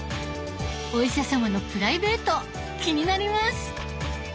お医者様のプライベート気になります。